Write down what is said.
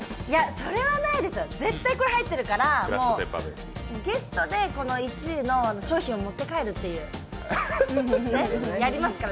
それはないです、絶対これ入ってるからゲストで１位の商品を持って帰るっていう、やりますから。